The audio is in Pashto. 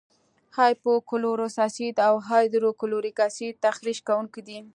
هایپو کلورس اسید او هایدروکلوریک اسید تخریش کوونکي دي.